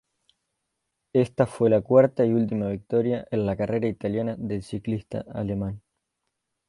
Esta fue la cuarta y última victoria en la carrera italiana del ciclista alemán.